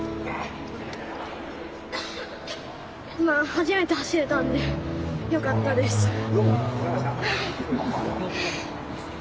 今初めて走れたんでよかったです。